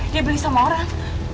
dia beli sama orang